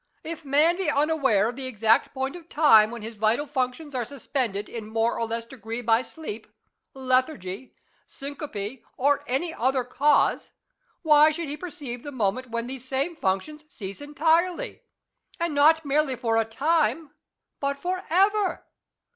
If man be unaware of the exact point of time when his vital functions are suspended in more or less degree by sleep, lethargy, syncope, or any other cause, why should he perceive the moment when these same functions cease entirely ; and not merely for a time, but for ever